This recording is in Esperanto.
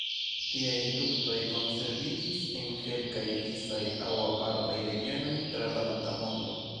Tiaj luktoj konserviĝis en kelkaj disaj aŭ apartaj regionoj tra la tuta mondo.